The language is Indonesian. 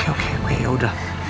oke oke yaudah